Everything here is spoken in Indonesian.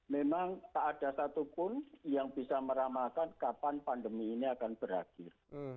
memang tak ada satupun yang bisa meramalkan kapan pandemi ini akan berakhir